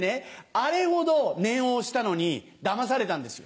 あれほど念を押したのにだまされたんですよ。